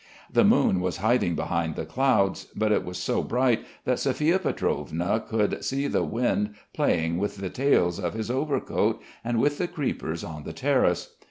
The moon was hiding behind the clouds, but it was so bright that Sophia Pietrovna could see the wind playing with the tails of his overcoat and with the creepers on the terrace.